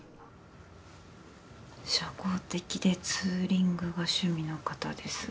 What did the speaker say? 「社交的でツーリングが趣味の方です」